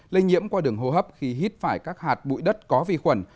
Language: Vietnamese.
lây nhiễm qua đường hô hấp khi hít phải các hạt bụi đất có vi khuẩn